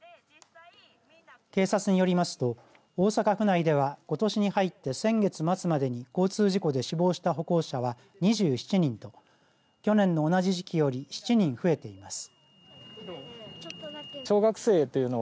警察によりますと大阪府内ではことしに入って先月末までに交通事故で死亡した歩行者は２７人と去年の同じ時期より７人増えています。